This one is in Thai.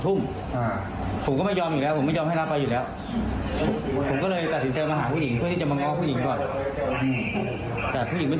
แต่ผู้หญิงไม่คุยกับผมก็เลยตัดสินใจลงมือ